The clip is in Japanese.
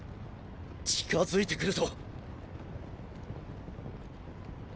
近づいて来るぞ。。